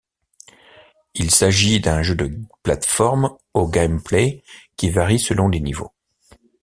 Il s'agit d'un jeu de plate forme au gameplay qui varie selon les niveaux.